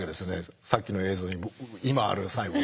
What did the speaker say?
さっきの映像に今ある細胞は。